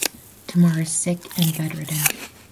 Tamar is sick and bedridden.